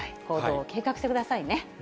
行動を計画してくださいね。